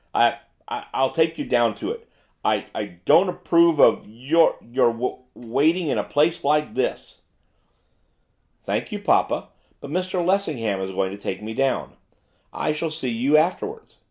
'I I I'll take you down to it. I I don't approve of y your w w waiting in a place like this.' 'Thank you, papa, but Mr Lessingham is going to take me down. I shall see you afterwards.